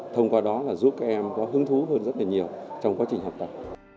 thông qua đó là giúp các em có hứng thú hơn rất là nhiều trong quá trình học tập